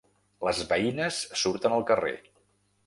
Les veïnes surten al carrer.